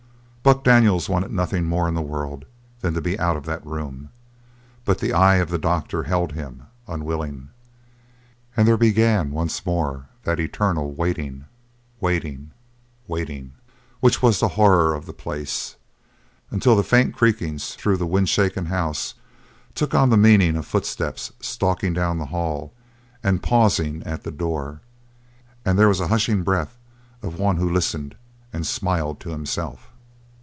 Buck Daniels wanted nothing more in the world than to be out of that room, but the eye of the doctor held him, unwilling. And there began once more that eternal waiting, waiting, waiting, which was the horror of the place, until the faint creakings through the windshaken house took on the meaning of footsteps stalking down the hall and pausing at the door, and there was the hushing breath of one who listened and smiled to himself!